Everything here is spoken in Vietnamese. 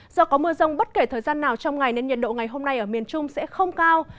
do có mưa rông bất kể thời gian nào trong ngày nên nhiệt độ ngày hôm nay ở miền trung sẽ không cao